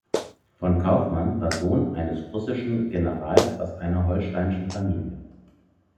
Von Kaufmann war Sohn eines russischen Generals aus einer holsteinischen Familie.